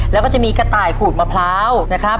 แล้วก็จะมีกระต่ายขูดมะพร้าวนะครับ